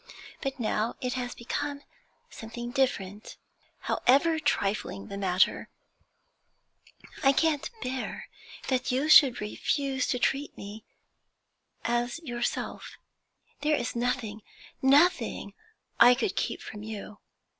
But now it has become something different. However trifling the matter, I can't bear that you should refuse to treat me as yourself. There is nothing, nothing I could keep from you.